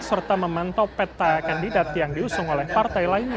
serta memantau peta kandidat yang diusung oleh partai lainnya